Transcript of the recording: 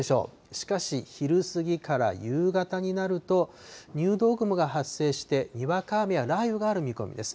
しかし昼過ぎから夕方になると、入道雲が発生してにわか雨や雷雨がある見込みです。